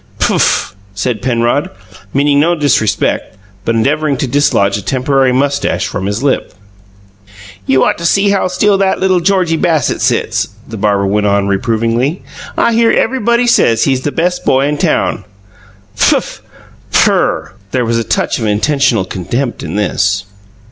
"Pfuff!" said Penrod, meaning no disrespect, but endeavoring to dislodge a temporary moustache from his lip. "You ought to see how still that little Georgie Bassett sits," the barber went on, reprovingly. "I hear everybody says he's the best boy in town." "Pfuff! PHIRR!" There was a touch of intentional contempt in this.